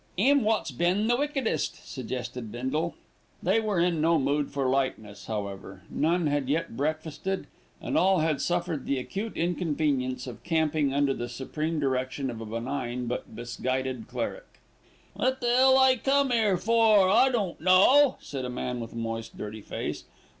"'Im wot's been the wickedest," suggested Bindle. They were in no mood for lightness, however. None had yet breakfasted, and all had suffered the acute inconvenience of camping under the supreme direction of a benign but misguided cleric. "Wot the 'ell I come 'ere for, I don't know," said a man with a moist, dirty face.